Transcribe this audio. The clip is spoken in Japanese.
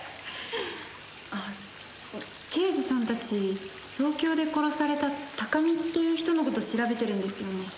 あっ刑事さんたち東京で殺された高見っていう人の事調べてるんですよね？